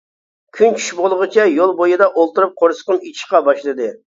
كۈن چۈش بولغۇچە يول بويىدا ئولتۇرۇپ قورسىقىم ئېچىشقا باشلىدى.